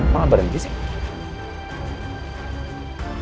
malah berhenti sih